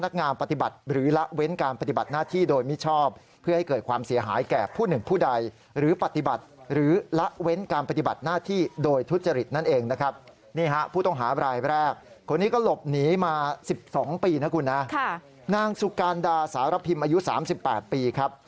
คนนี้ก็หลบหนีมา๑๒ปีนะครับคุณฮะนางสุการดาสารพิมพ์อายุ๓๘ปีครับ